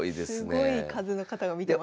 すごい数の方が見てますね。